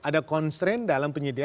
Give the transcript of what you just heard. ada constraint dalam penyediaan